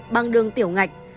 bằng đường tiểu ngạch